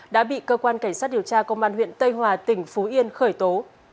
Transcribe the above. đã bị cơ quan cảnh sát điều tra công an huyện tây hòa tỉnh phú yên khởi tố